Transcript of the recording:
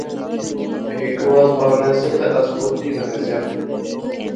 ہک واز مارنے سے تے اس پوچی غنے سیاں